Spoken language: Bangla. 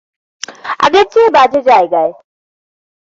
আগের চেয়ে বাজে জায়গায়।